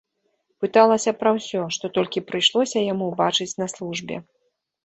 Пыталася пра ўсё, што толькі прыйшлося яму ўбачыць на службе.